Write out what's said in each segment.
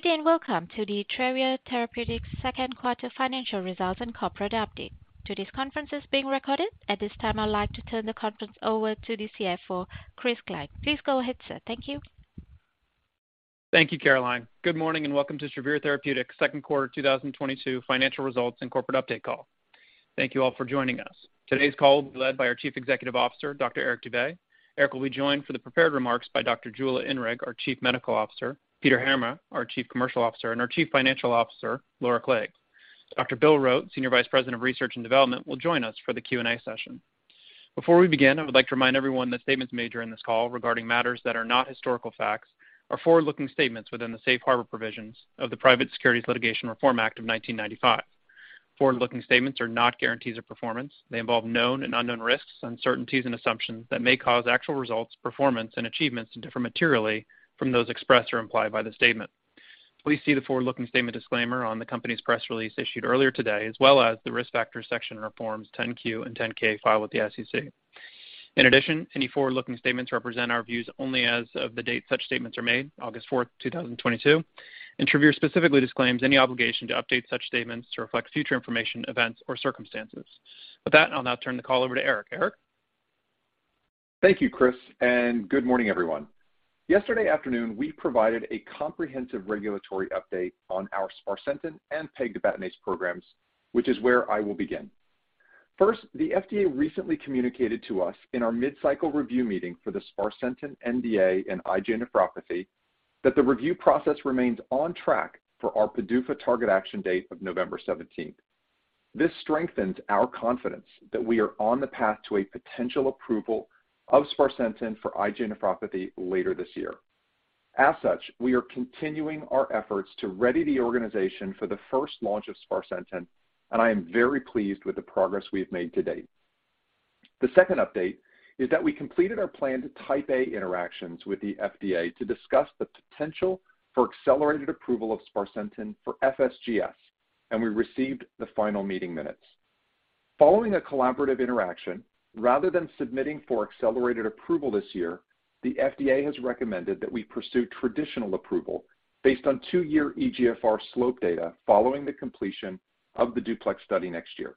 Good day and welcome to the Travere Therapeutics second quarter financial results and corporate update. Today's conference is being recorded. At this time, I'd like to turn the conference over to the CFO, Chris Cline. Please go ahead, sir. Thank you. Thank you, Caroline. Good morning and welcome to Travere Therapeutics second quarter 2022 financial results and corporate update call. Thank you all for joining us. Today's call will be led by our Chief Executive Officer, Dr. Eric Dube. Eric will be joined for the prepared remarks by Dr. Jula Inrig, our Chief Medical Officer, Peter Heerma, our Chief Commercial Officer, and our Chief Financial Officer, Laura Clague. Dr. Bill Rote, Senior Vice President of Research and Development, will join us for the Q&A session. Before we begin, I would like to remind everyone that statements made during this call regarding matters that are not historical facts are forward-looking statements within the Safe Harbor provisions of the Private Securities Litigation Reform Act of 1995. Forward-looking statements are not guarantees of performance. They involve known and unknown risks, uncertainties, and assumptions that may cause actual results, performance, and achievements to differ materially from those expressed or implied by the statement. Please see the forward-looking statement disclaimer on the company's press release issued earlier today, as well as the Risk Factors section in our Form 10-Q and 10-K filed with the SEC. In addition, any forward-looking statements represent our views only as of the date such statements are made, August 4th, 2022, and Travere specifically disclaims any obligation to update such statements to reflect future information, events, or circumstances. With that, I'll now turn the call over to Eric. Eric? Thank you, Chris, and good morning, everyone. Yesterday afternoon, we provided a comprehensive regulatory update on our sparsentan and pegtibatinase programs, which is where I will begin. First, the FDA recently communicated to us in our mid-cycle review meeting for the sparsentan NDA and IgA Nephropathy that the review process remains on track for our PDUFA target action date of November 17th. This strengthens our confidence that we are on the path to a potential approval of sparsentan for IgA Nephropathy later this year. As such, we are continuing our efforts to ready the organization for the first launch of sparsentan, and I am very pleased with the progress we have made to date. The second update is that we completed our planned Type A interactions with the FDA to discuss the potential for accelerated approval of sparsentan for FSGS, and we received the final meeting minutes. Following a collaborative interaction, rather than submitting for accelerated approval this year, the FDA has recommended that we pursue traditional approval based on two-year eGFR slope data following the completion of the DUPLEX study next year.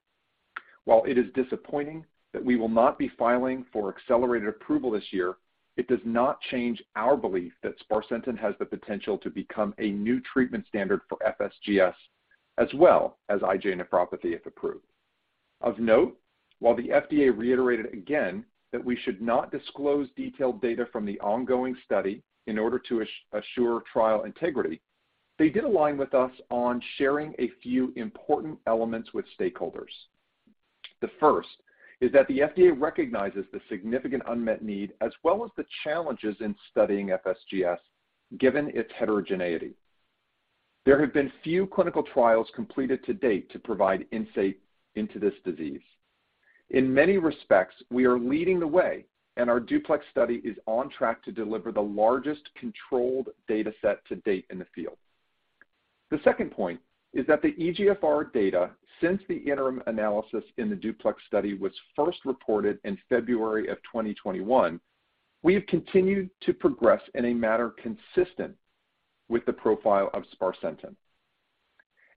While it is disappointing that we will not be filing for accelerated approval this year, it does not change our belief that sparsentan has the potential to become a new treatment standard for FSGS as well as IgA Nephropathy, if approved. Of note, while the FDA reiterated again that we should not disclose detailed data from the ongoing study in order to assure trial integrity, they did align with us on sharing a few important elements with stakeholders. The first is that the FDA recognizes the significant unmet need as well as the challenges in studying FSGS given its heterogeneity. There have been few clinical trials completed to date to provide insight into this disease. In many respects, we are leading the way, and our DUPLEX study is on track to deliver the largest controlled data set to date in the field. The second point is that the eGFR data since the interim analysis in the DUPLEX study was first reported in February 2021. We have continued to progress in a manner consistent with the profile of sparsentan.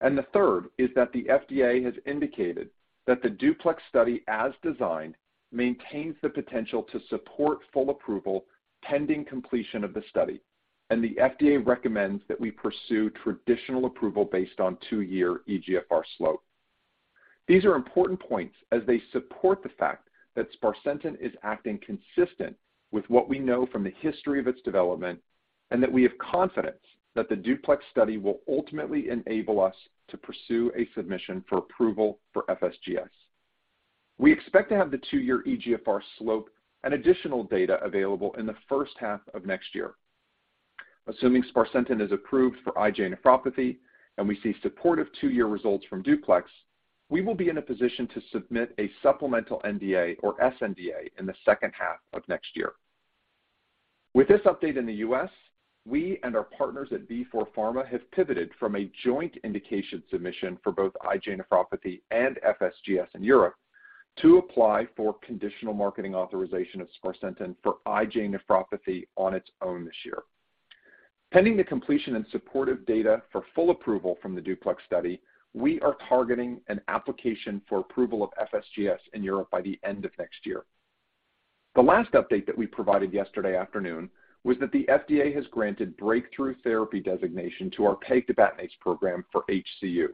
The third is that the FDA has indicated that the DUPLEX study, as designed, maintains the potential to support full approval pending completion of the study, and the FDA recommends that we pursue traditional approval based on two-year eGFR slope. These are important points as they support the fact that sparsentan is acting consistent with what we know from the history of its development, and that we have confidence that the DUPLEX study will ultimately enable us to pursue a submission for approval for FSGS. We expect to have the two-year eGFR slope and additional data available in the first half of next year. Assuming sparsentan is approved for IgA Nephropathy and we see supportive two-year results from DUPLEX, we will be in a position to submit a supplemental NDA or sNDA in the second half of next year. With this update in the U.S., we and our partners at Vifor Pharma have pivoted from a joint indication submission for both IgA Nephropathy and FSGS in Europe to apply for conditional marketing authorisation of sparsentan for IgA Nephropathy on its own this year. Pending the completion and supportive data for full approval from the DUPLEX study, we are targeting an application for approval of FSGS in Europe by the end of next year. The last update that we provided yesterday afternoon was that the FDA has granted breakthrough therapy designation to our pegtibatinase program for HCU.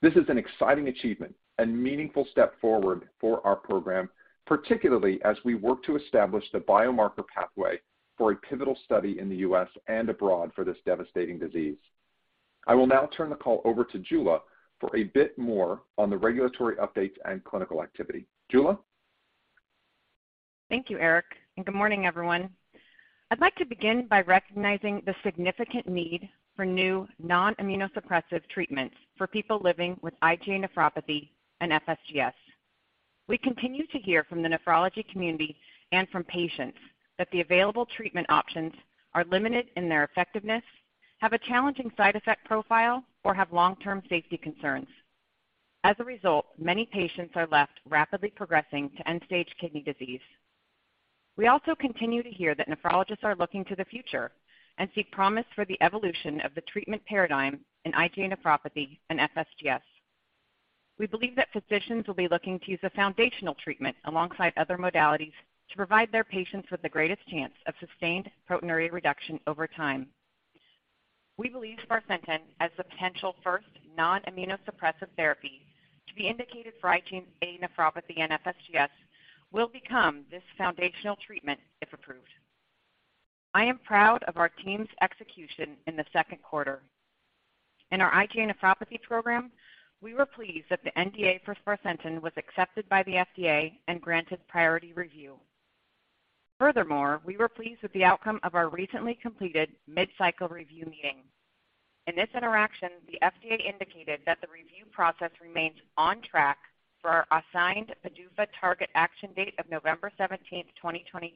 This is an exciting achievement and meaningful step forward for our program, particularly as we work to establish the biomarker pathway for a pivotal study in the U.S. and abroad for this devastating disease. I will now turn the call over to Jula for a bit more on the regulatory updates and clinical activity. Jula? Thank you, Eric, and good morning, everyone. I'd like to begin by recognizing the significant need for new non-immunosuppressive treatments for people living with IgA Nephropathy and FSGS. We continue to hear from the nephrology community and from patients that the available treatment options are limited in their effectiveness, have a challenging side effect profile, or have long-term safety concerns. As a result, many patients are left rapidly progressing to end-stage kidney disease. We also continue to hear that nephrologists are looking to the future and seek promise for the evolution of the treatment paradigm in IgA Nephropathy and FSGS. We believe that physicians will be looking to use a foundational treatment alongside other modalities to provide their patients with the greatest chance of sustained proteinuria reduction over time. We believe sparsentan as the potential first non-immunosuppressive therapy to be indicated for IgA Nephropathy and FSGS will become this foundational treatment if approved. I am proud of our team's execution in the second quarter. In our IgA Nephropathy program, we were pleased that the NDA for sparsentan was accepted by the FDA and granted priority review. Furthermore, we were pleased with the outcome of our recently completed mid-cycle review meeting. In this interaction, the FDA indicated that the review process remains on track for our assigned PDUFA target action date of November 17th, 2022,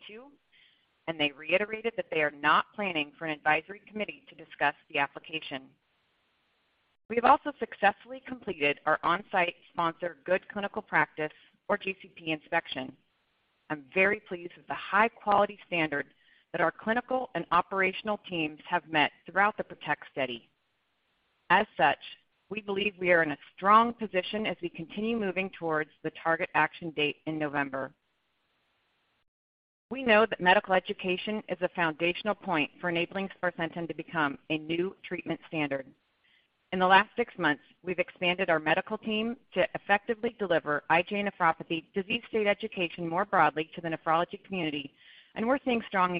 and they reiterated that they are not planning for an advisory committee to discuss the application. We have also successfully completed our on-site sponsored Good Clinical Practice or GCP inspection. I'm very pleased with the high-quality standard that our clinical and operational teams have met throughout the PROTECT study. As such, we believe we are in a strong position as we continue moving towards the target action date in November. We know that medical education is a foundational point for enabling sparsentan to become a new treatment standard. In the last six months, we've expanded our medical team to effectively deliver IgA Nephropathy disease state education more broadly to the nephrology community, and we're seeing strong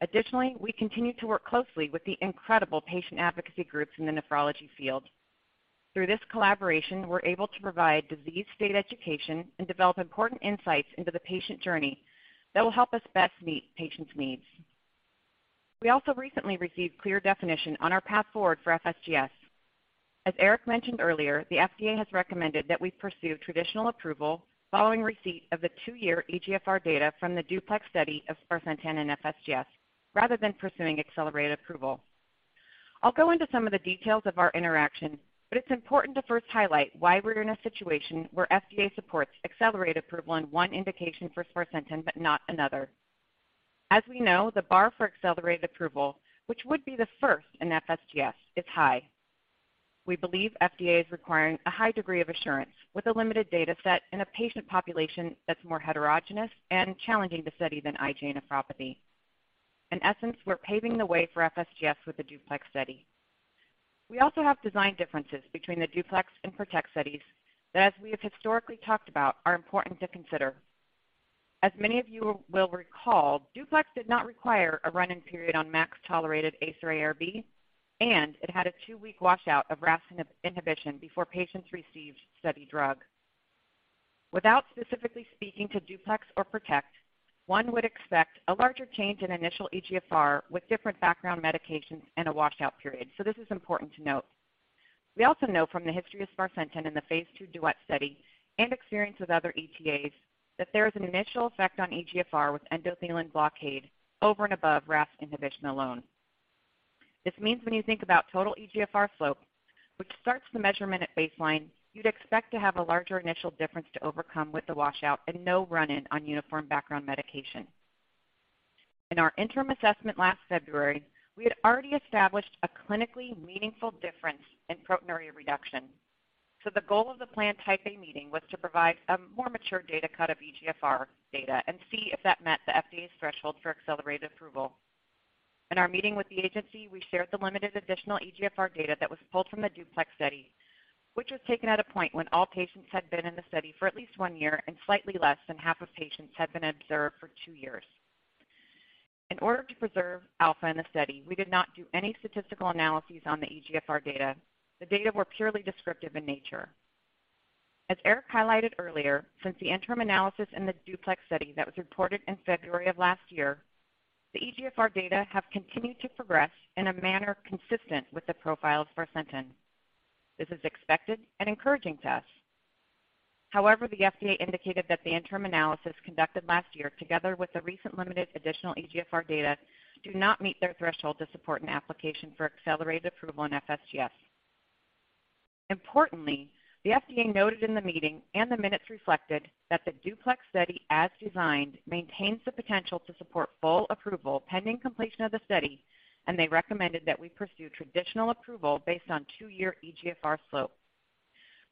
engagement. Additionally, we continue to work closely with the incredible patient advocacy groups in the nephrology field. Through this collaboration, we're able to provide disease state education and develop important insights into the patient journey that will help us best meet patients' needs. We also recently received clear definition on our path forward for FSGS. As Eric mentioned earlier, the FDA has recommended that we pursue traditional approval following receipt of the two-year eGFR data from the DUPLEX study of sparsentan and FSGS, rather than pursuing accelerated approval. I'll go into some of the details of our interaction, but it's important to first highlight why we're in a situation where FDA supports accelerated approval in one indication for sparsentan but not another. As we know, the bar for accelerated approval, which would be the first in FSGS, is high. We believe FDA is requiring a high degree of assurance with a limited data set and a patient population that's more heterogeneous and challenging to study than IgA Nephropathy. In essence, we're paving the way for FSGS with the DUPLEX study. We also have design differences between the DUPLEX and PROTECT studies that, as we have historically talked about, are important to consider. As many of you will recall, DUPLEX did not require a run-in period on max tolerated ACE or ARB, and it had a two-week washout of RAS inhibition before patients received study drug. Without specifically speaking to DUPLEX or PROTECT, one would expect a larger change in initial eGFR with different background medications and a washout period. This is important to note. We also know from the history of sparsentan in the Phase 2 DUET study and experience with other ETAs that there is an initial effect on eGFR with endothelin blockade over and above RAS inhibition alone. This means when you think about total eGFR slope, which starts the measurement at baseline, you'd expect to have a larger initial difference to overcome with the washout and no run-in on uniform background medication. In our interim assessment last February, we had already established a clinically meaningful difference in proteinuria reduction. The goal of the planned Type A meeting was to provide a more mature data cut of eGFR data and see if that met the FDA's threshold for accelerated approval. In our meeting with the agency, we shared the limited additional eGFR data that was pulled from the DUPLEX study, which was taken at a point when all patients had been in the study for at least one year and slightly less than half of patients had been observed for two years. In order to preserve alpha in the study, we did not do any statistical analyses on the eGFR data. The data were purely descriptive in nature. As Eric highlighted earlier, since the interim analysis in the DUPLEX study that was reported in February of last year, the eGFR data have continued to progress in a manner consistent with the profile of sparsentan. This is expected and encouraging to us. However, the FDA indicated that the interim analysis conducted last year, together with the recent limited additional eGFR data, do not meet their threshold to support an application for accelerated approval in FSGS. Importantly, the FDA noted in the meeting and the minutes reflected that the DUPLEX study, as designed, maintains the potential to support full approval pending completion of the study, and they recommended that we pursue traditional approval based on two-year eGFR slope.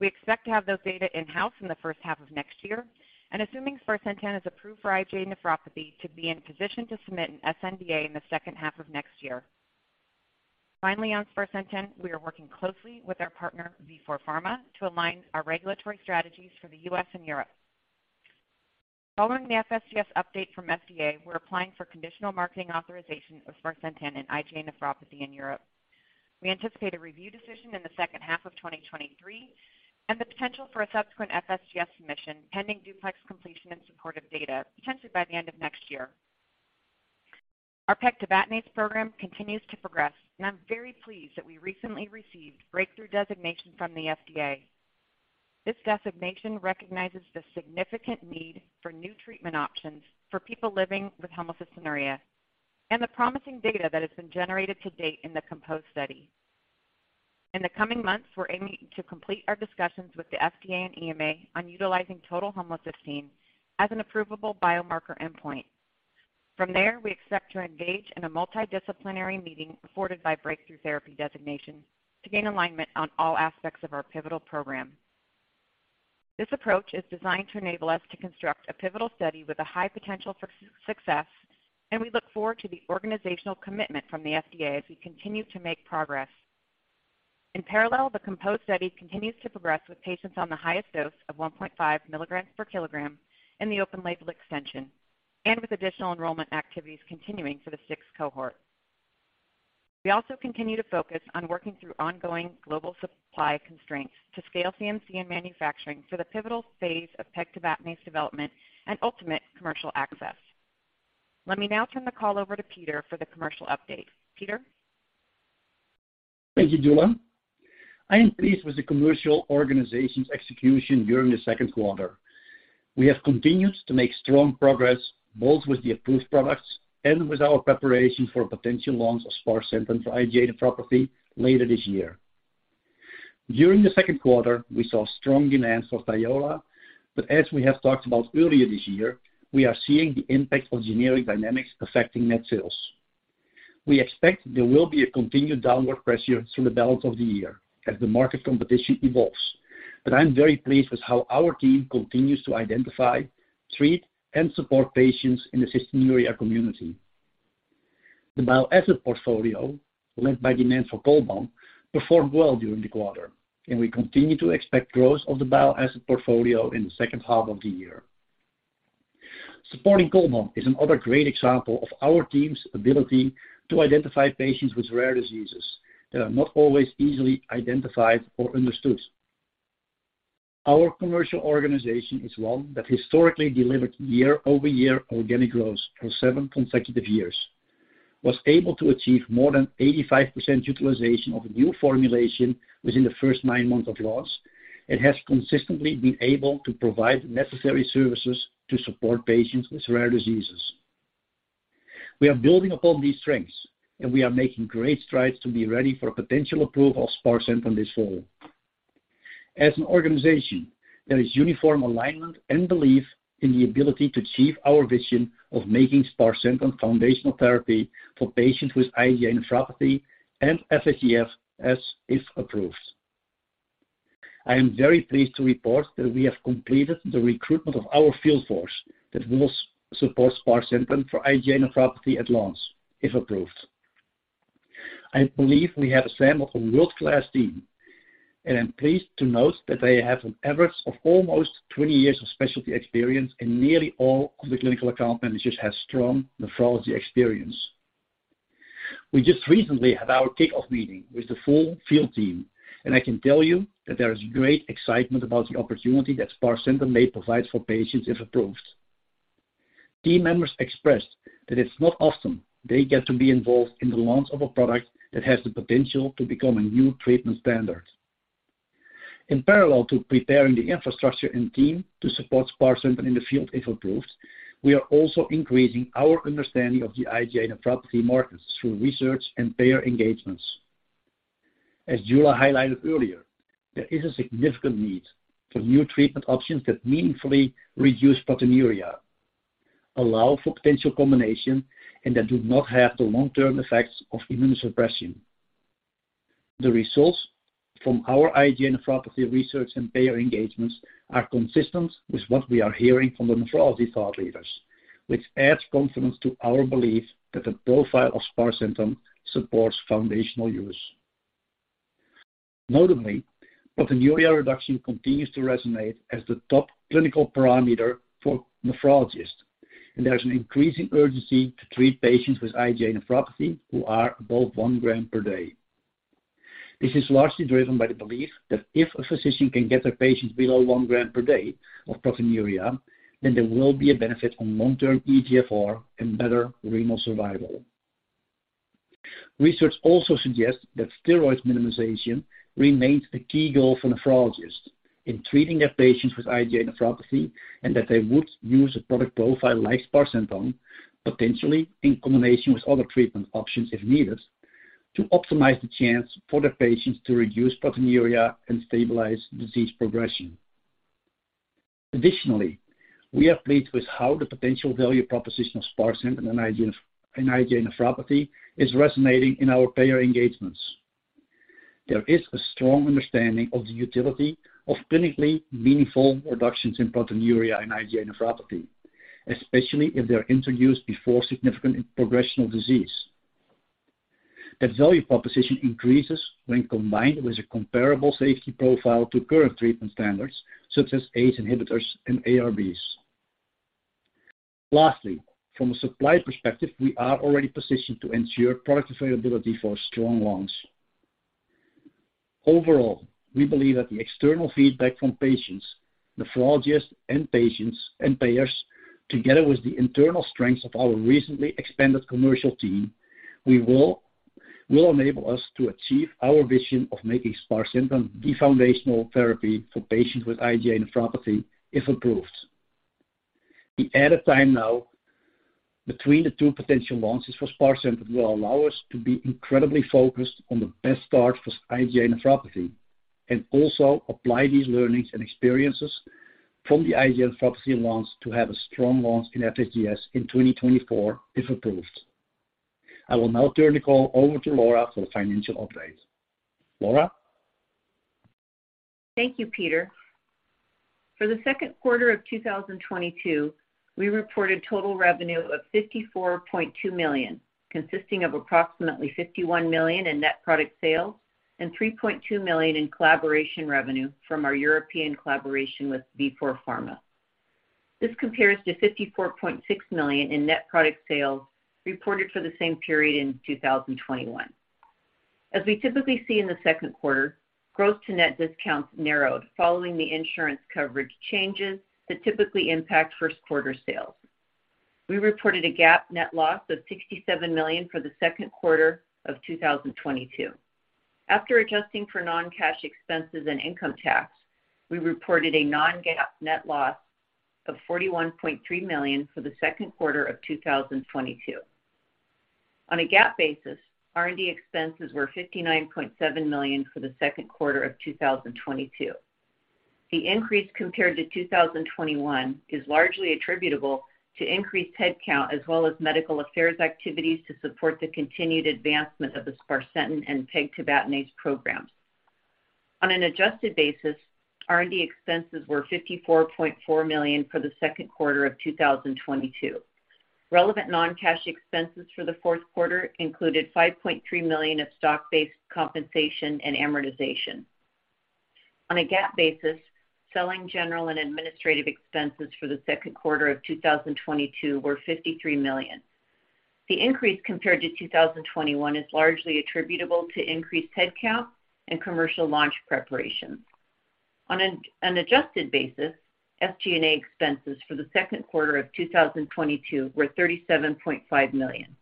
We expect to have those data in-house in the first half of next year, and assuming sparsentan is approved for IgA Nephropathy, to be in position to submit an sNDA in the second half of next year. Finally, on sparsentan, we are working closely with our partner Vifor Pharma to align our regulatory strategies for the U.S. and Europe. Following the FSGS update from FDA, we're applying for conditional marketing authorization of sparsentan in IgA Nephropathy in Europe. We anticipate a review decision in the second half of 2023 and the potential for a subsequent FSGS submission pending DUPLEX completion and supportive data, potentially by the end of next year. Our pegtibatinase program continues to progress, and I'm very pleased that we recently received breakthrough designation from the FDA. This designation recognizes the significant need for new treatment options for people living with homocystinuria and the promising data that has been generated to date in the COMPOSE study. In the coming months, we're aiming to complete our discussions with the FDA and EMA on utilizing total homocysteine as an approvable biomarker endpoint. From there, we expect to engage in a multidisciplinary meeting afforded by breakthrough therapy designation to gain alignment on all aspects of our pivotal program. This approach is designed to enable us to construct a pivotal study with a high potential for success, and we look forward to the organizational commitment from the FDA as we continue to make progress. In parallel, the COMPOSE study continues to progress with patients on the highest dose of 1.5 milligrams per kg in the open label extension and with additional enrollment activities continuing for the sixth cohort. We also continue to focus on working through ongoing global supply constraints to scale CMC and manufacturing for the pivotal phase of pegtibatinase development and ultimate commercial access. Let me now turn the call over to Peter for the commercial update. Peter? Thank you, Jula. I am pleased with the commercial organization's execution during the second quarter. We have continued to make strong progress, both with the approved products and with our preparation for a potential launch of sparsentan for IgA Nephropathy later this year. During the second quarter, we saw strong demand for Thiola, but as we have talked about earlier this year, we are seeing the impact of generic dynamics affecting net sales. We expect there will be a continued downward pressure through the balance of the year as the market competition evolves, but I'm very pleased with how our team continues to identify, treat, and support patients in the cystinuria community. The Bile Acid portfolio, led by demand for Cholbam, performed well during the quarter, and we continue to expect growth of the Bile Acid portfolio in the second half of the year. Supporting Cholbam is another great example of our team's ability to identify patients with rare diseases that are not always easily identified or understood. Our commercial organization is one that historically delivered year-over-year organic growth for seven consecutive years, was able to achieve more than 85% utilization of a new formulation within the first 9 months of launch, and has consistently been able to provide necessary services to support patients with rare diseases. We are building upon these strengths, and we are making great strides to be ready for a potential approval of sparsentan this fall. As an organization, there is uniform alignment and belief in the ability to achieve our vision of making sparsentan foundational therapy for patients with IgA Nephropathy and FSGS, as if approved. I am very pleased to report that we have completed the recruitment of our field force that will support sparsentan for IgA Nephropathy at launch, if approved. I believe we have assembled a world-class team, and I'm pleased to note that they have an average of almost 20 years of specialty experience, and nearly all of the clinical account managers have strong nephrology experience. We just recently had our kickoff meeting with the full field team, and I can tell you that there is great excitement about the opportunity that sparsentan may provide for patients, if approved. Team members expressed that it's not often they get to be involved in the launch of a product that has the potential to become a new treatment standard. In parallel to preparing the infrastructure and team to support sparsentan in the field, if approved, we are also increasing our understanding of the IgA Nephropathy markets through research and payer engagements. As Jula highlighted earlier, there is a significant need for new treatment options that meaningfully reduce proteinuria, allow for potential combination, and that do not have the long-term effects of immunosuppression. The results from our IgA Nephropathy research and payer engagements are consistent with what we are hearing from the nephrology thought leaders, which adds confidence to our belief that the profile of sparsentan supports foundational use. Notably, proteinuria reduction continues to resonate as the top clinical parameter for nephrologists, and there's an increasing urgency to treat patients with IgA Nephropathy who are above 1 gram per day. This is largely driven by the belief that if a physician can get their patients below one gram per day of proteinuria, then there will be a benefit on long-term eGFR and better renal survival. Research also suggests that steroid minimization remains a key goal for nephrologists in treating their patients with IgA Nephropathy, and that they would use a product profile like sparsentan, potentially in combination with other treatment options if needed, to optimize the chance for their patients to reduce proteinuria and stabilize disease progression. Additionally, we are pleased with how the potential value proposition of sparsentan in IgA Nephropathy is resonating in our payer engagements. There is a strong understanding of the utility of clinically meaningful reductions in proteinuria and IgA Nephropathy, especially if they're introduced before significant progressive disease. That value proposition increases when combined with a comparable safety profile to current treatment standards, such as ACE inhibitors and ARBs. Lastly, from a supply perspective, we are already positioned to ensure product availability for strong launch. Overall, we believe that the external feedback from patients, nephrologists, and payers, together with the internal strengths of our recently expanded commercial team, we will enable us to achieve our vision of making sparsentan the foundational therapy for patients with IgA Nephropathy, if approved. The added time now between the two potential launches for sparsentan will allow us to be incredibly focused on the best start for IgA Nephropathy and also apply these learnings and experiences from the IgA Nephropathy launch to have a strong launch in FSGS in 2024 if approved. I will now turn the call over to Laura for the financial update. Laura? Thank you, Peter. For the second quarter of 2022, we reported total revenue of $54.2 million, consisting of approximately $51 million in net product sales and $3.2 million in collaboration revenue from our European collaboration with Vifor Pharma. This compares to $54.6 million in net product sales reported for the same period in 2021. As we typically see in the second quarter, gross to net discounts narrowed following the insurance coverage changes that typically impact first quarter sales. We reported a GAAP net loss of $67 million for the second quarter of 2022. After adjusting for non-cash expenses and income tax, we reported a non-GAAP net loss of $41.3 million for the second quarter of 2022. On a GAAP basis, R&D expenses were $59.7 million for the second quarter of 2022. The increase compared to 2021 is largely attributable to increased headcount as well as medical affairs activities to support the continued advancement of the sparsentan and pegtibatinase programs. On an adjusted basis, R&D expenses were $54.4 million for the second quarter of 2022. Relevant non-cash expenses for the fourth quarter included $5.3 million of stock-based compensation and amortization. On a GAAP basis, selling, general, and administrative expenses for the second quarter of 2022 were $53 million. The increase compared to 2021 is largely attributable to increased headcount and commercial launch preparations. On an adjusted basis, SG&A expenses for the second quarter of 2022 were $37.5 million.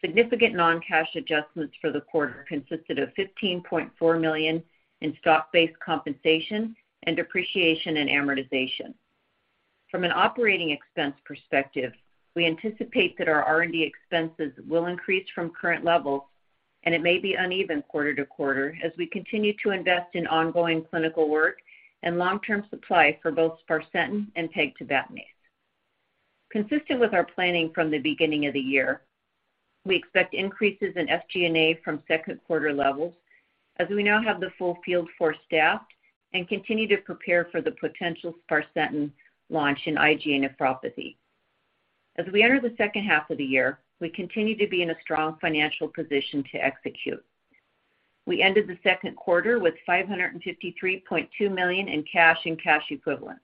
Significant non-cash adjustments for the quarter consisted of $15.4 million in stock-based compensation and depreciation and amortization. From an operating expense perspective, we anticipate that our R&D expenses will increase from current levels, and it may be uneven quarter to quarter as we continue to invest in ongoing clinical work and long-term supply for both sparsentan and pegtibatinase. Consistent with our planning from the beginning of the year, we expect increases in SG&A from second quarter levels as we now have the full field force staffed and continue to prepare for the potential sparsentan launch in IgA Nephropathy. As we enter the second half of the year, we continue to be in a strong financial position to execute. We ended the second quarter with $553.2 million in cash and cash equivalents.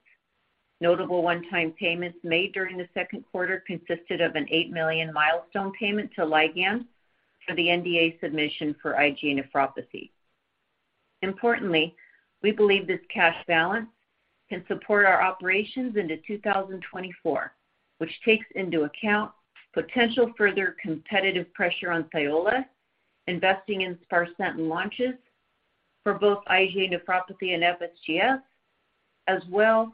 Notable one-time payments made during the second quarter consisted of an $8 million milestone payment to Ligand for the NDA submission for IgA Nephropathy. Importantly, we believe this cash balance can support our operations into 2024, which takes into account potential further competitive pressure on Thiola, investing in sparsentan launches for both IgA Nephropathy and FSGS, as well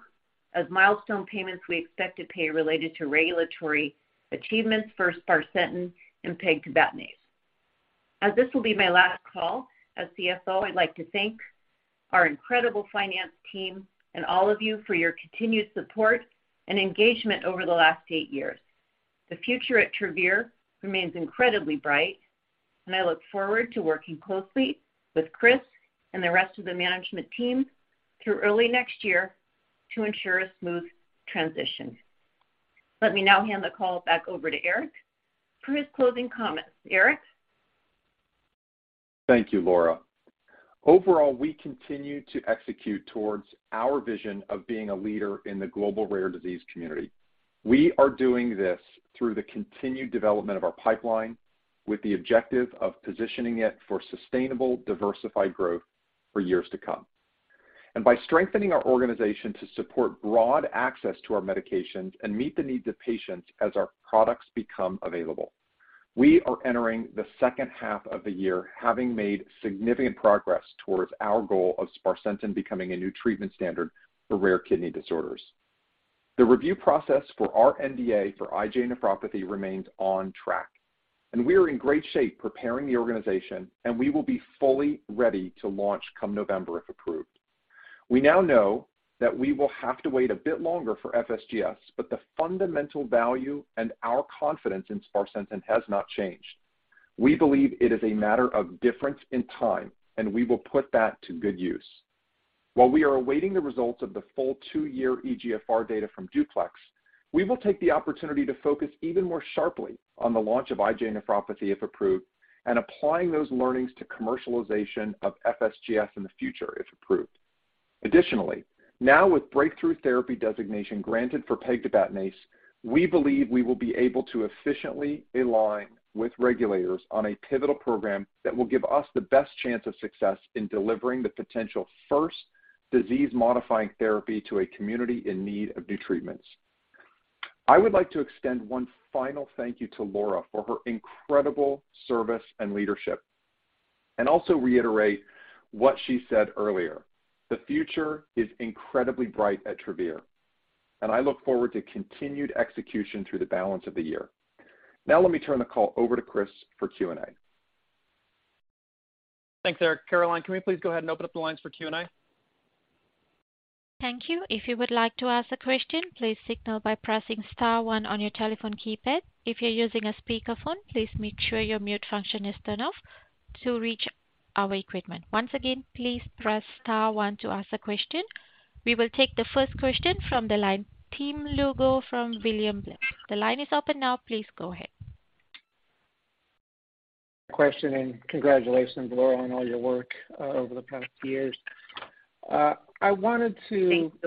as milestone payments we expect to pay related to regulatory achievements for sparsentan and pegtibatinase. As this will be my last call as CFO, I'd like to thank our incredible finance team and all of you for your continued support and engagement over the last eight years. The future at Travere remains incredibly bright, and I look forward to working closely with Chris and the rest of the management team through early next year to ensure a smooth transition. Let me now hand the call back over to Eric for his closing comments. Eric? Thank you, Laura. Overall, we continue to execute towards our vision of being a leader in the global rare disease community. We are doing this through the continued development of our pipeline with the objective of positioning it for sustainable, diversified growth for years to come. By strengthening our organization to support broad access to our medications and meet the needs of patients as our products become available. We are entering the second half of the year having made significant progress towards our goal of sparsentan becoming a new treatment standard for rare kidney disorders. The review process for our NDA for IgA Nephropathy remains on track, and we are in great shape preparing the organization, and we will be fully ready to launch come November, if approved. We now know that we will have to wait a bit longer for FSGS, but the fundamental value and our confidence in sparsentan has not changed. We believe it is a matter of difference in time, and we will put that to good use. While we are awaiting the results of the full two-year eGFR data from DUPLEX, we will take the opportunity to focus even more sharply on the launch of IgA Nephropathy, if approved, and applying those learnings to commercialization of FSGS in the future, if approved. Additionally, now with breakthrough therapy designation granted for pegtibatinase, we believe we will be able to efficiently align with regulators on a pivotal program that will give us the best chance of success in delivering the potential first disease-modifying therapy to a community in need of new treatments. I would like to extend one final thank you to Laura for her incredible service and leadership. Also reiterate what she said earlier. The future is incredibly bright at Travere, and I look forward to continued execution through the balance of the year. Now let me turn the call over to Chris for Q&A. Thanks, Eric. Caroline, can we please go ahead and open up the lines for Q&A? Thank you. If you would like to ask a question, please signal by pressing star one on your telephone keypad. If you're using a speakerphone, please make sure your mute function is turned off to reach our equipment. Once again, please press star one to ask a question. We will take the first question from the line, Tim Lugo from William Blair. The line is open now. Please go ahead. Congratulations, Laura, on all your work over the past years. I just wanted to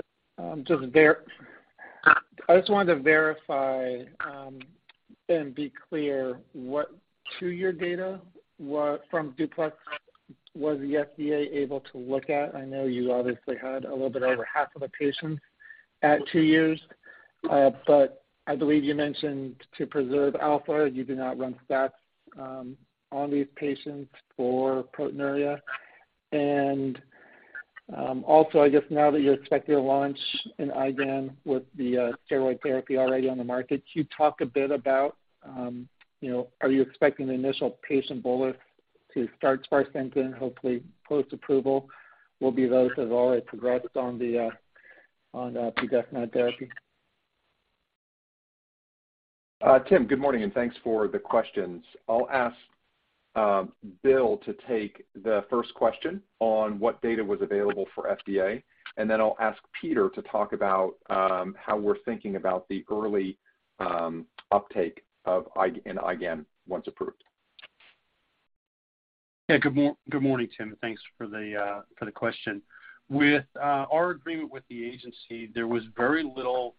verify and be clear what two-year data from DUPLEX was the FDA able to look at. I know you obviously had a little bit over half of the patients at two years, but I believe you mentioned to preserve alpha, you do not run stats on these patients for proteinuria. Also, I guess now that you're expecting a launch in IgAN with the steroid therapy already on the market, could you talk a bit about, you know, are you expecting the initial patient bolus to start sparsentan, hopefully post-approval? Will be those also progressing on the budesonide therapy? Tim, good morning, and thanks for the questions. I'll ask Bill to take the first question on what data was available for FDA, and then I'll ask Peter to talk about how we're thinking about the early uptake of IgAN once approved. Yeah. Good morning, Tim. Thanks for the question. With our agreement with the agency, there was very little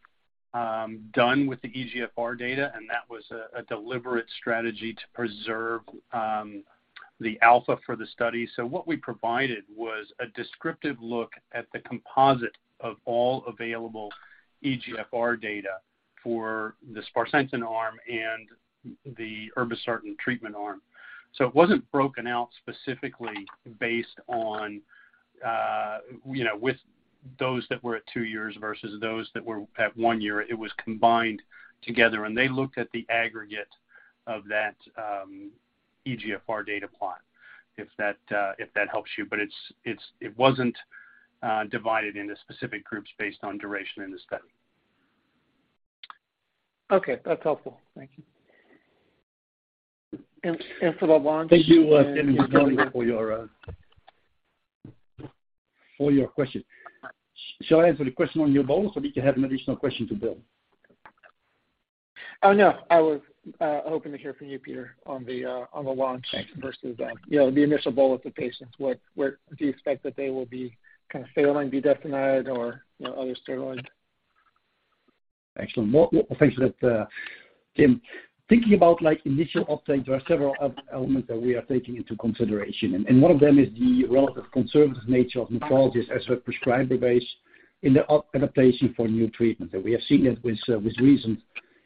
done with the eGFR data, and that was a deliberate strategy to preserve the alpha for the study. What we provided was a descriptive look at the composite of all available eGFR data for the sparsentan arm and the irbesartan treatment arm. It wasn't broken out specifically based on, you know, with those that were at two years versus those that were at one year. It was combined together, and they looked at the aggregate of that eGFR data plot, if that helps you. But it wasn't divided into specific groups based on duration in the study. Okay. That's helpful. Thank you. For the launch? Thank you, Tim Lugo, for your question. Shall I answer the question on your bullish, or did you have an additional question to Bill? No. I was hoping to hear from you, Peter, on the launch. Thanks. Versus the, you know, the initial bolus of patients. What do you expect that they will be kind of failing budesonide or, you know, other steroids? Excellent. Well, thanks for that, Tim. Thinking about, like, initial uptake, there are several elements that we are taking into consideration, and one of them is the relatively conservative nature of nephrologists as a prescriber base in the adoption for new treatment. We have seen it with recent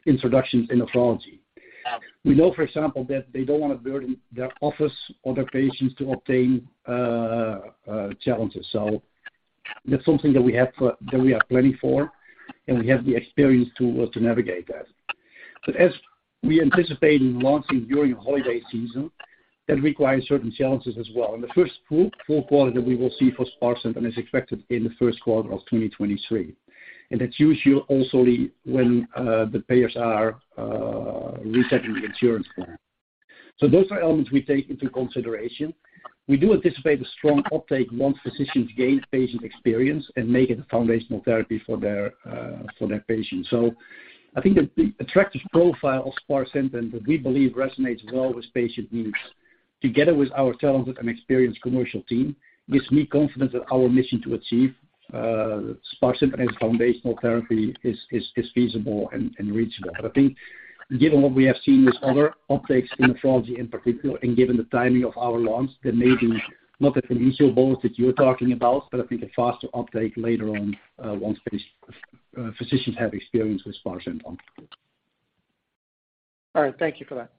introductions in nephrology. We know, for example, that they don't wanna burden their office or their patients to obtain challenges. That's something that we are planning for, and we have the experience to navigate that. As we anticipate launching during holiday season, that requires certain challenges as well. The first full quarter that we will see for sparsentan is expected in the first quarter of 2023. That's usually also when the payers are resetting the insurance plan. Those are elements we take into consideration. We do anticipate a strong uptake once physicians gain patient experience and make it a foundational therapy for their patients. I think the attractive profile of sparsentan that we believe resonates well with patient needs, together with our talented and experienced commercial team, gives me confidence that our mission to achieve sparsentan as a foundational therapy is feasible and reachable. I think given what we have seen with other uptakes in nephrology in particular, and given the timing of our launch, there may be not the initial bolus that you're talking about, but I think a faster uptake later on once these physicians have experience with sparsentan. All right. Thank you for that.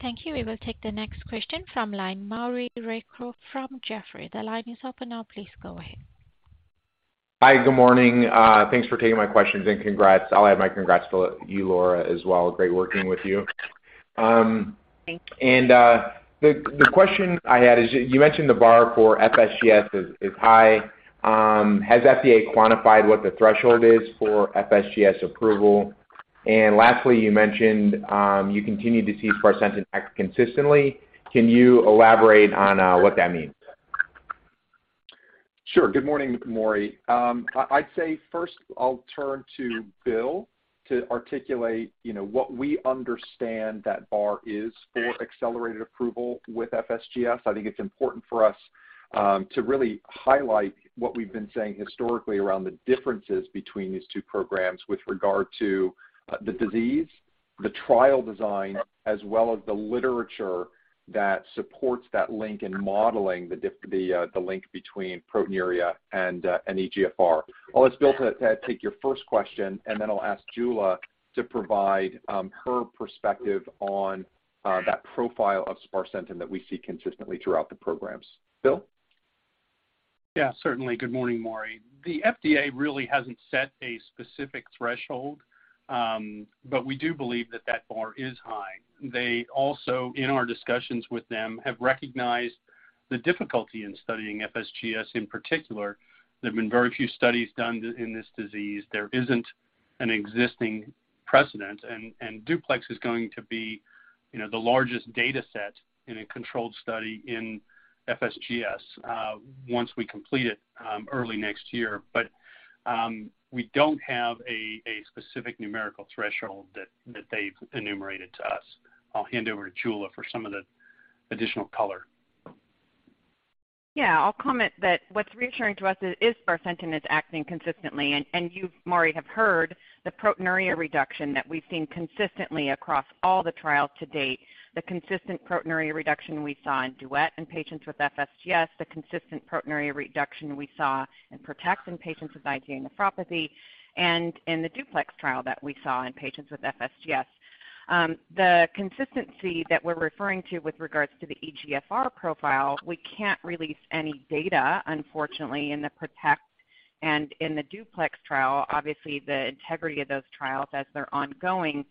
Thank you. We will take the next question from line Maury Raycroft from Jefferies. The line is open now. Please go ahead. Hi. Good morning. Thanks for taking my questions, and congrats. I'll add my congrats to you, Laura, as well. Great working with you. Thank you. The question I had is you mentioned the bar for FSGS is high. Has FDA quantified what the threshold is for FSGS approval? Lastly, you mentioned you continue to see sparsentan act consistently. Can you elaborate on what that means? Sure. Good morning, Maury. I'd say first I'll turn to Bill to articulate, you know, what we understand that bar is for accelerated approval with FSGS. I think it's important for us to really highlight what we've been saying historically around the differences between these two programs with regard to the disease, the trial design, as well as the literature that supports that link and modeling the link between proteinuria and eGFR. I'll ask Bill to take your first question, and then I'll ask Jula to provide her perspective on that profile of sparsentan that we see consistently throughout the programs. Bill? Yeah, certainly. Good morning, Maury. The FDA really hasn't set a specific threshold, but we do believe that that bar is high. They also, in our discussions with them, have recognized the difficulty in studying FSGS in particular. There have been very few studies done in this disease. There isn't an existing precedent, and DUPLEX is going to be, you know, the largest data set in a controlled study in FSGS, once we complete it, early next year. We don't have a specific numerical threshold that they've enumerated to us. I'll hand over to Jula for some of the additional color. Yeah. I'll comment that what's reassuring to us is sparsentan is acting consistently. You've, Maury, have heard the proteinuria reduction that we've seen consistently across all the trials to date, the consistent proteinuria reduction we saw in DUET in patients with FSGS, the consistent proteinuria reduction we saw in PROTECT in patients with IgA nephropathy and in the DUPLEX trial that we saw in patients with FSGS. The consistency that we're referring to with regards to the eGFR profile, we can't release any data, unfortunately, in the PROTECT and in the DUPLEX trial. Obviously, the integrity of those trials as they're ongoing.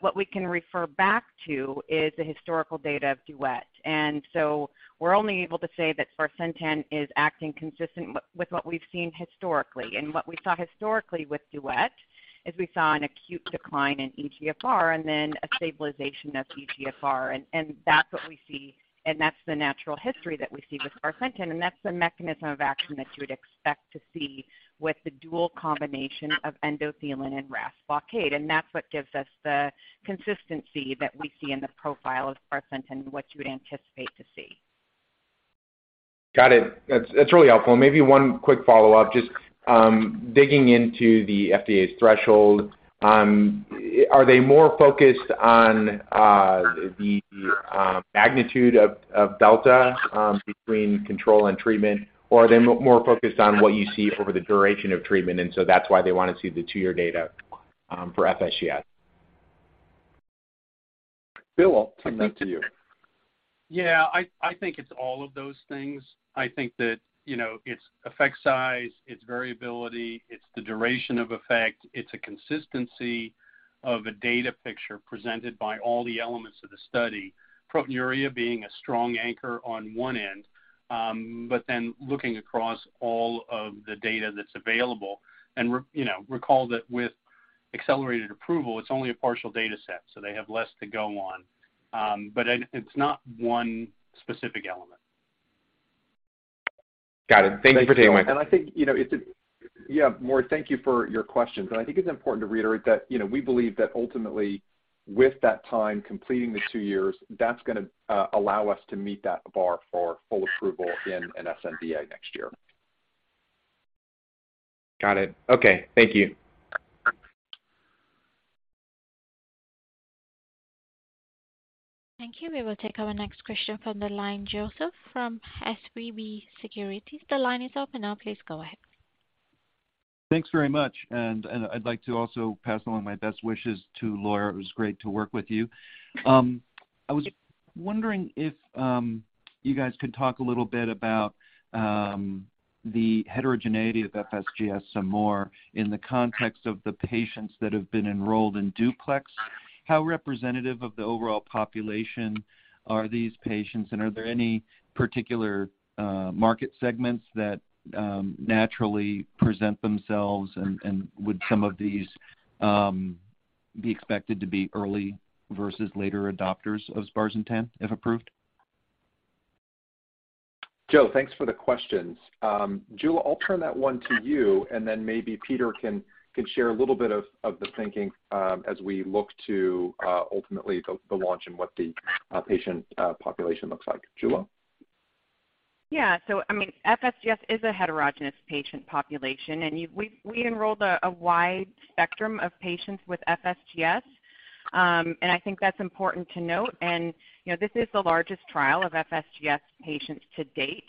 What we can refer back to is the historical data of DUET. We're only able to say that sparsentan is acting consistent with what we've seen historically. What we saw historically with DUET is we saw an acute decline in eGFR and then a stabilization of eGFR. That's what we see and that's the natural history that we see with sparsentan, and that's the mechanism of action that you would expect to see with the dual combination of endothelin and RAS blockade. That's what gives us the consistency that we see in the profile of sparsentan and what you would anticipate to see. Got it. That's really helpful. Maybe one quick follow-up, just digging into the FDA's threshold. Are they more focused on the magnitude of delta between control and treatment? Or are they more focused on what you see over the duration of treatment, and so that's why they wanna see the two-year data for FSGS? Bill, I'll turn that to you. Yeah. I think it's all of those things. I think that, you know, it's effect size, it's variability, it's the duration of effect. It's a consistency of a data picture presented by all the elements of the study. Proteinuria being a strong anchor on one end, but then looking across all of the data that's available. You know, recall that with accelerated approval, it's only a partial data set, so they have less to go on. But it's not one specific element. Got it. Thank you for taking my call. I think, you know, Yeah, Maury, thank you for your questions. I think it's important to reiterate that, you know, we believe that ultimately with that time completing the two years, that's gonna allow us to meet that bar for full approval in an sNDA next year. Got it. Okay. Thank you. Thank you. We will take our next question from the line, Joseph Schwartz from SVB Securities. The line is open now. Please go ahead. Thanks very much. I'd like to also pass along my best wishes to Laura. It was great to work with you. I was wondering if you guys could talk a little bit about the heterogeneity of FSGS some more in the context of the patients that have been enrolled in DUPLEX. How representative of the overall population are these patients, and are there any particular market segments that naturally present themselves and would some of these be expected to be early versus later adopters of sparsentan, if approved? Joe, thanks for the questions. Jula, I'll turn that one to you, and then maybe Peter can share a little bit of the thinking as we look to ultimately the launch and what the patient population looks like. Jula? Yeah. I mean, FSGS is a heterogeneous patient population, and we enrolled a wide spectrum of patients with FSGS. I think that's important to note. You know, this is the largest trial of FSGS patients to date.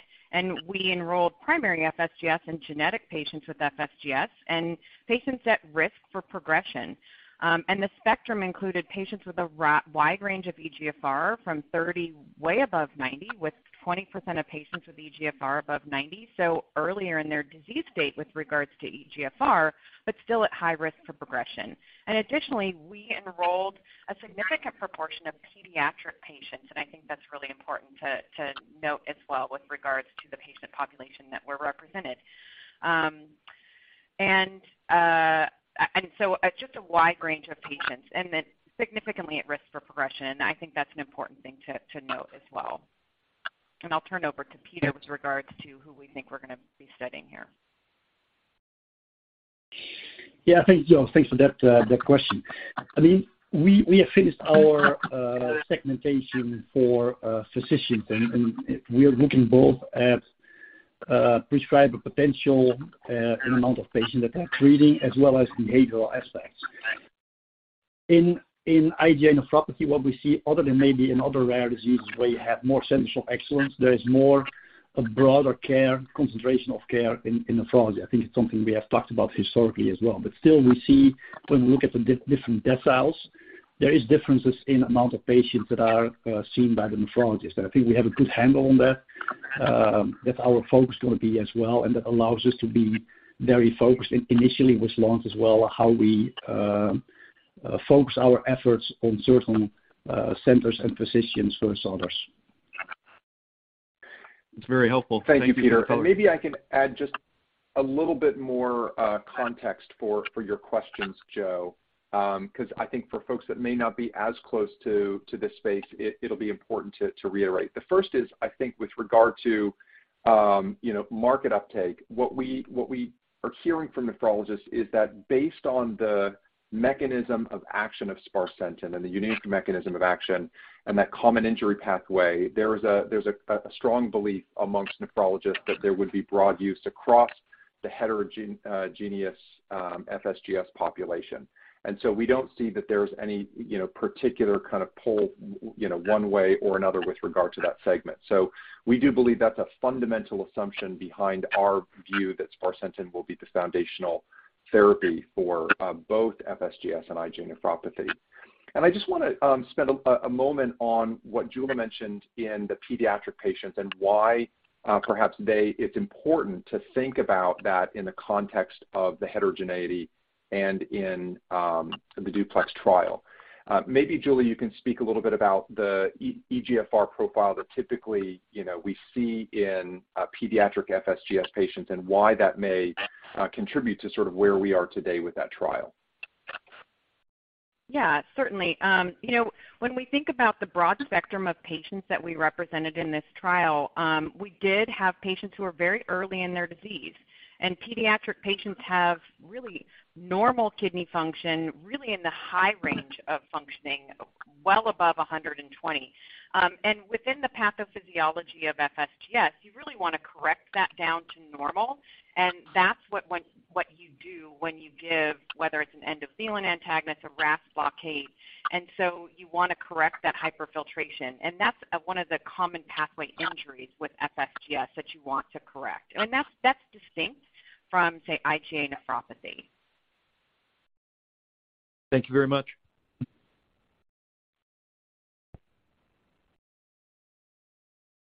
We enrolled primary FSGS and genetic patients with FSGS and patients at risk for progression. The spectrum included patients with a wide range of eGFR from 30 way above 90, with 20% of patients with eGFR above 90, so earlier in their disease state with regards to eGFR, but still at high risk for progression. Additionally, we enrolled a significant proportion of pediatric patients, and I think that's really important to note as well with regards to the patient population that were represented. Just a wide range of patients and then significantly at risk for progression. I think that's an important thing to note as well. I'll turn over to Peter with regards to who we think we're gonna be studying here. Yeah. Thank you, Joe. Thanks for that question. I mean, we have finished our segmentation for physicians, and we are looking both at prescriber potential and amount of patients that are treating as well as behavioral aspects. In IgA Nephropathy, what we see other than maybe in other rare diseases where you have more centers of excellence, there is more of a broader concentration of care in nephrology. I think it's something we have talked about historically as well. Still we see when we look at the different deciles, there is differences in amount of patients that are seen by the nephrologist. I think we have a good handle on that. That's our focus gonna be as well, and that allows us to be very focused initially with launch as well, how we focus our efforts on certain centers and physicians versus others. That's very helpful. Thank you, Peter. Thank you. Maybe I can add just a little bit more context for your questions, Joe. Because I think for folks that may not be as close to this space, it'll be important to reiterate. The first is, I think, with regard to market uptake. What we are hearing from nephrologists is that based on the mechanism of action of sparsentan and the unique mechanism of action and that common injury pathway, there's a strong belief among nephrologists that there would be broad use across the heterogeneous FSGS population. We don't see that there's any particular kind of pull, you know, one way or another with regard to that segment. We do believe that's a fundamental assumption behind our view that sparsentan will be the foundational therapy for both FSGS and IgA Nephropathy. I just wanna spend a moment on what Jula mentioned in the pediatric patients and why perhaps it's important to think about that in the context of the heterogeneity and in the DUPLEX trial. Maybe, Jula, you can speak a little bit about the eGFR profile that typically, you know, we see in pediatric FSGS patients and why that may contribute to sort of where we are today with that trial. Yeah, certainly. You know, when we think about the broad spectrum of patients that we represented in this trial, we did have patients who were very early in their disease. Pediatric patients have really normal kidney function, really in the high range of functioning, well above 120. Within the pathophysiology of FSGS, you really wanna correct that down to normal, and that's what you do when you give, whether it's an endothelin antagonist, a RAS blockade. You wanna correct that hyperfiltration. That's one of the common pathway injuries with FSGS that you want to correct. That's distinct from, say, IgA Nephropathy. Thank you very much.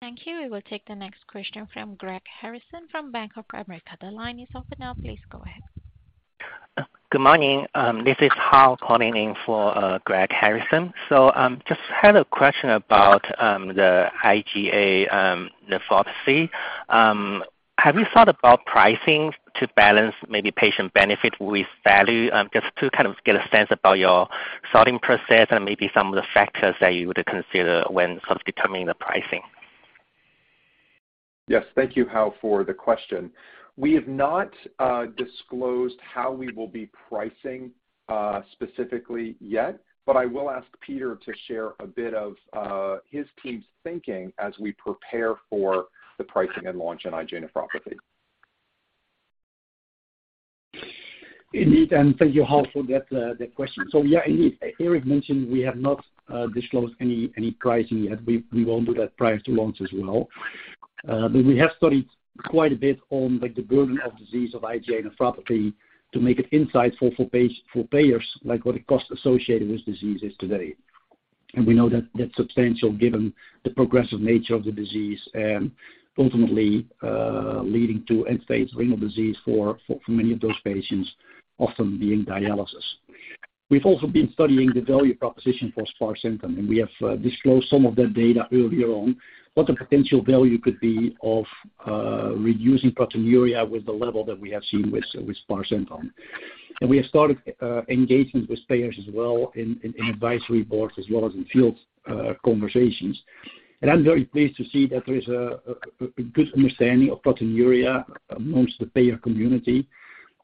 Thank you. We will take the next question from Greg Harrison from Bank of America. The line is open now. Please go ahead. Good morning. This is Hao calling in for Greg Harrison. Just had a question about the IgA Nephropathy. Have you thought about pricing to balance maybe patient benefit with value? Just to kind of get a sense about your sorting process and maybe some of the factors that you would consider when sort of determining the pricing. Yes. Thank you, Hao, for the question. We have not disclosed how we will be pricing specifically yet, but I will ask Peter to share a bit of his team's thinking as we prepare for the pricing and launch in IgA Nephropathy. Indeed, thank you, Hao, for that question. Yeah, indeed. Eric mentioned we have not disclosed any pricing yet. We won't do that prior to launch as well. We have studied quite a bit on like the burden of disease of IgA Nephropathy to make it insightful for payers, like what the cost associated with disease is today. We know that that's substantial given the progressive nature of the disease and ultimately leading to end-stage renal disease for many of those patients, often being dialysis. We've also been studying the value proposition for sparsentan, and we have disclosed some of that data earlier on, what the potential value could be of reducing proteinuria with the level that we have seen with sparsentan. We have started engagement with payers as well in advisory boards as well as in field conversations. I'm very pleased to see that there is a good understanding of proteinuria among the payer community,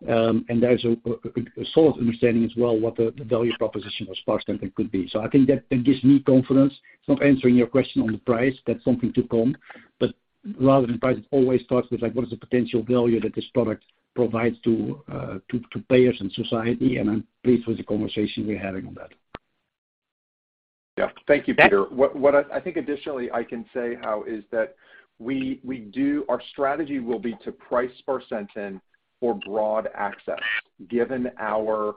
and there's a solid understanding as well what the value proposition of sparsentan could be. I think that gives me confidence. It's not answering your question on the price. That's something to come. But rather than price, it always starts with like, what is the potential value that this product provides to payers and society. I'm pleased with the conversation we're having on that. Yeah. Thank you, Peter. What I think additionally I can say, Hao, is that our strategy will be to price sparsentan for broad access, given our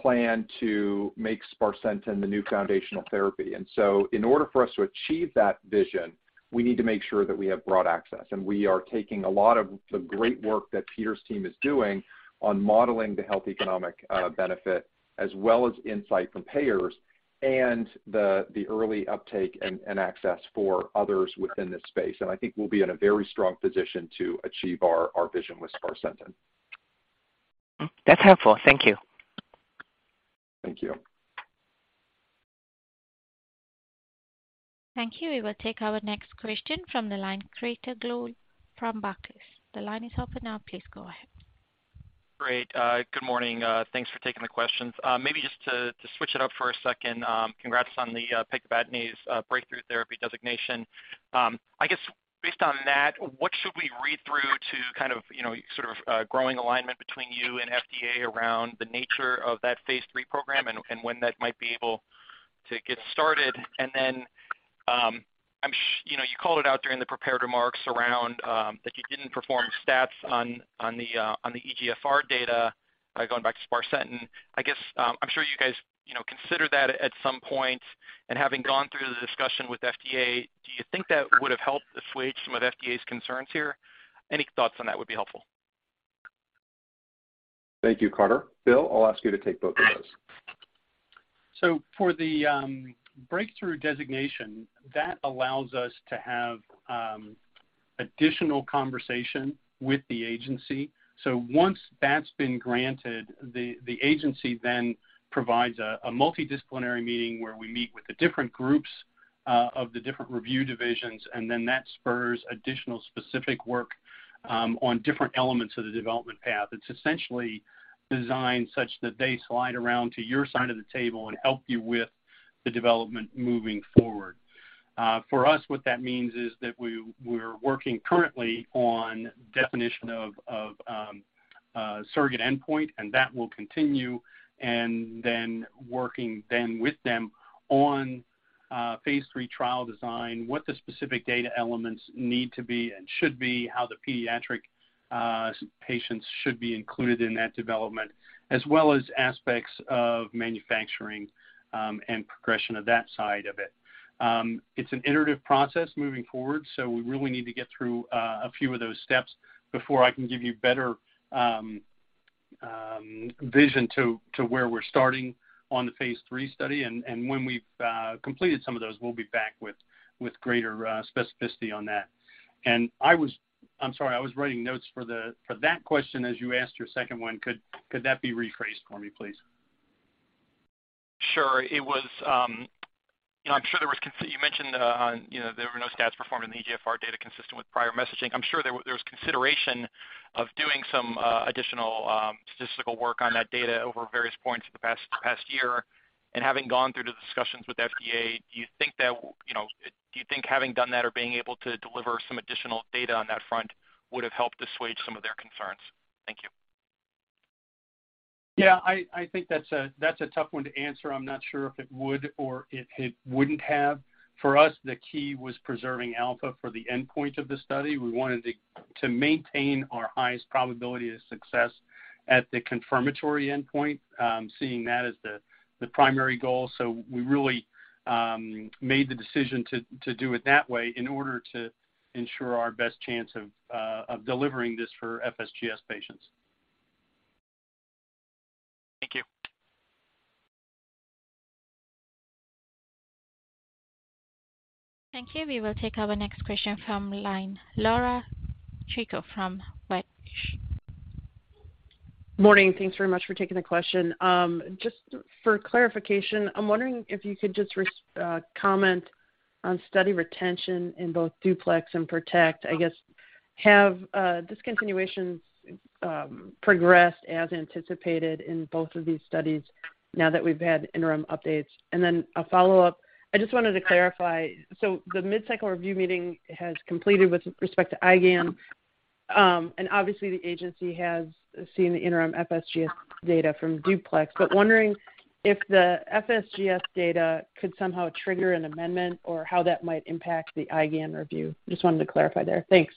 plan to make sparsentan the new foundational therapy. In order for us to achieve that vision, we need to make sure that we have broad access. We are taking a lot of the great work that Peter's team is doing on modeling the health economic benefit as well as insight from payers and the early uptake and access for others within this space. I think we'll be in a very strong position to achieve our vision with sparsentan. That's helpful. Thank you. Thank you. Thank you. We will take our next question from the line, Carter Gould from Barclays. The line is open now. Please go ahead. Great. Good morning. Thanks for taking the questions. Maybe just to switch it up for a second, congrats on the pegtibatinase breakthrough therapy designation. I guess based on that, what should we read into to kind of, you know, sort of, growing alignment between you and FDA around the nature of that Phase 3 program and when that might be able to get started? You know, you called it out during the prepared remarks around that you didn't perform stats on the eGFR data. Going back to sparsentan, I guess, I'm sure you guys, you know, consider that at some point, and having gone through the discussion with FDA, do you think that would have helped assuage some of FDA's concerns here? Any thoughts on that would be helpful. Thank you, Carter. Bill, I'll ask you to take both of those. For the breakthrough designation, that allows us to have additional conversation with the agency. Once that's been granted, the agency then provides a multidisciplinary meeting where we meet with the different groups of the different review divisions, and then that spurs additional specific work on different elements of the development path. It's essentially designed such that they slide around to your side of the table and help you with the development moving forward. For us, what that means is that we're working currently on definition of surrogate endpoint, and that will continue. Working with them on Phase 3 trial design, what the specific data elements need to be and should be, how the pediatric patients should be included in that development, as well as aspects of manufacturing, and progression of that side of it. It's an iterative process moving forward, so we really need to get through a few of those steps before I can give you better vision to where we're starting on the Phase 3 study. When we've completed some of those, we'll be back with greater specificity on that. I'm sorry. I was writing notes for that question as you asked your second one. Could that be rephrased for me, please? Sure. It was, you know, I'm sure there was. You mentioned, you know, there were no stats performed in the eGFR data consistent with prior messaging. I'm sure there was consideration of doing some additional statistical work on that data over various points in the past year. Having gone through the discussions with FDA, do you think, you know, having done that or being able to deliver some additional data on that front would have helped assuage some of their concerns? Thank you. Yeah. I think that's a tough one to answer. I'm not sure if it would or it wouldn't have. For us, the key was preserving alpha for the endpoint of the study. We wanted to maintain our highest probability of success at the confirmatory endpoint, seeing that as the primary goal. We really made the decision to do it that way in order to ensure our best chance of delivering this for FSGS patients. Thank you. Thank you. We will take our next question from line. Laura Chico from Wedbush. Morning. Thanks very much for taking the question. Just for clarification, I'm wondering if you could just comment on study retention in both DUPLEX and PROTECT? I guess have discontinuations progressed as anticipated in both of these studies now that we've had interim updates. A follow-up, I just wanted to clarify. The mid-cycle review meeting has completed with respect to IgAN, and obviously, the agency has seen the interim FSGS data from DUPLEX. Wondering if the FSGS data could somehow trigger an amendment or how that might impact the IgAN review? Just wanted to clarify there. Thanks.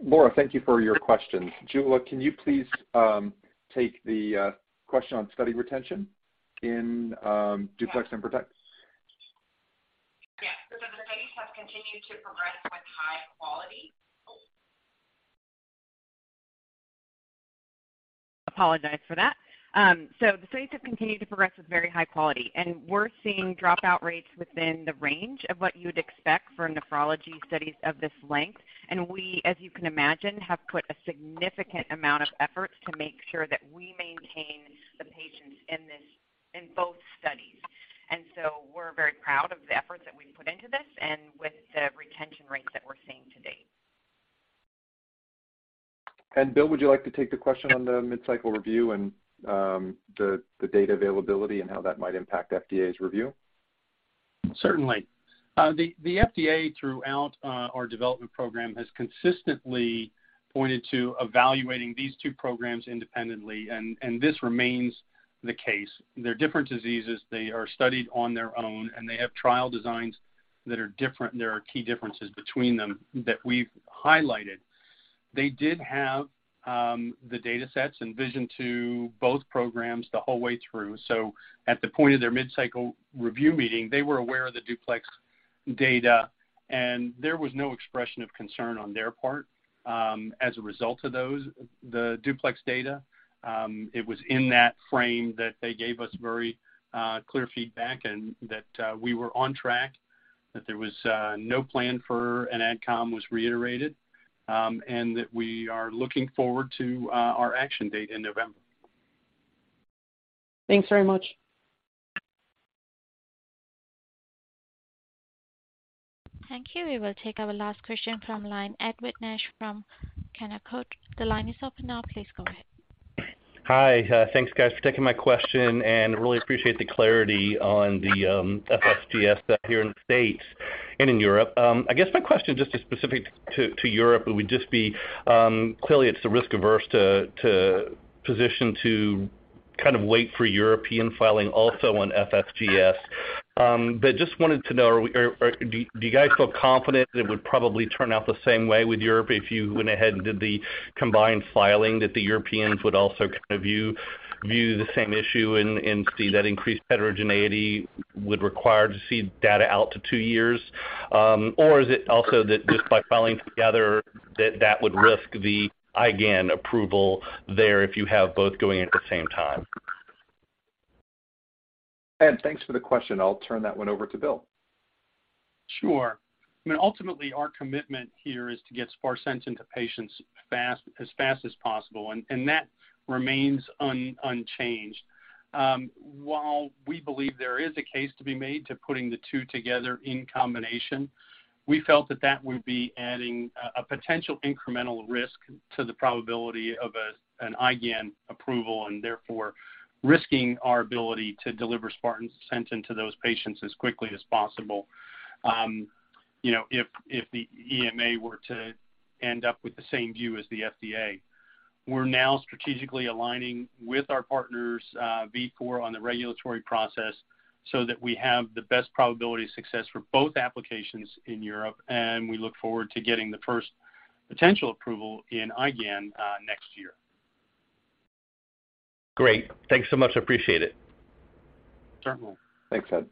Laura, thank you for your question. Jula, can you please take the question on study retention in DUPLEX and PROTECT? The studies have continued to progress with very high quality, and we're seeing dropout rates within the range of what you'd expect for nephrology studies of this length. We, as you can imagine, have put a significant amount of efforts to make sure that we maintain the patients in both studies. We're very proud of the efforts that we've put into this and with the retention rates that we're seeing to date. Bill, would you like to take the question on the mid-cycle review and the data availability and how that might impact FDA's review? Certainly. The FDA throughout our development program has consistently pointed to evaluating these two programs independently, and this remains the case. They're different diseases. They are studied on their own, and they have trial designs that are different. There are key differences between them that we've highlighted. They did have the datasets and version to both programs the whole way through. At the point of their mid-cycle review meeting, they were aware of the DUPLEX data, and there was no expression of concern on their part as a result of the DUPLEX data. It was in that frame that they gave us very clear feedback and that we were on track, that there was no plan for an Ad Com was reiterated, and that we are looking forward to our action date in November. Thanks very much. Thank you. We will take our last question from the line. Edward Nash from Canaccord Genuity. The line is open now. Please go ahead. Hi. Thanks guys for taking my question, and really appreciate the clarity on the FSGS stuff here in the States and in Europe. I guess my question just is specific to Europe. It would just be clearly it's a risk-averse position to kind of wait for European filing also on FSGS. But just wanted to know, do you guys feel confident that it would probably turn out the same way with Europe if you went ahead and did the combined filing that the Europeans would also kind of view the same issue and see that increased heterogeneity would require to see data out to two years? Or is it also that just by filing together that that would risk the IgAN approval there if you have both going at the same time? Edward Nash, thanks for the question. I'll turn that one over to William Rote. Sure. I mean, ultimately, our commitment here is to get sparsentan to patients fast, as fast as possible, and that remains unchanged. While we believe there is a case to be made to putting the two together in combination, we felt that would be adding a potential incremental risk to the probability of an IgAN approval and therefore risking our ability to deliver sparsentan to those patients as quickly as possible, if the EMA were to end up with the same view as the FDA. We're now strategically aligning with our partners, Vifor, on the regulatory process so that we have the best probability of success for both applications in Europe, and we look forward to getting the first potential approval in IgAN next year. Great. Thanks so much. I appreciate it. Certainly. Thanks, Ed.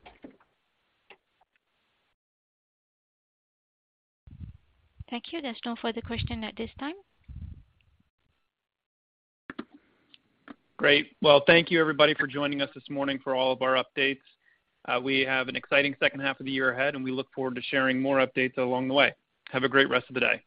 Thank you. There's no further question at this time. Great. Well, thank you everybody for joining us this morning for all of our updates. We have an exciting second half of the year ahead, and we look forward to sharing more updates along the way. Have a great rest of the day.